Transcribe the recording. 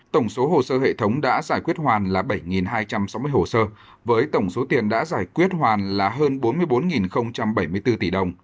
tổng số hồ sơ hệ thống đã giải quyết hoàn là bảy hai trăm sáu mươi hồ sơ với tổng số tiền đã giải quyết hoàn là hơn bốn mươi bốn bảy mươi bốn tỷ đồng